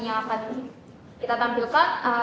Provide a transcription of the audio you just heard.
yang akan kita tampilkan